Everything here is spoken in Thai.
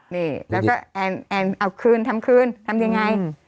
นี่แล้วก็แอนเอาคืนทำคืนทำยังไง